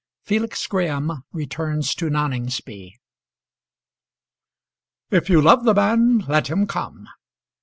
FELIX GRAHAM RETURNS TO NONINGSBY. "If you love the man, let him come."